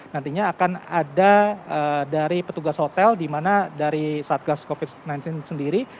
nantinya akan ada dari petugas hotel di mana dari satgas covid sembilan belas sendiri